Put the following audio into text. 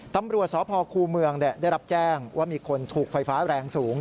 ตำรวจสพคูเมืองได้รับแจ้งว่ามีคนถูกไฟฟ้าแรงสูง